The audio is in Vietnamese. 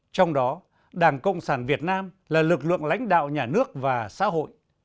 trong đó đảng cộng sản việt nam là lực lượng lãnh đạo nhà nước và xã hội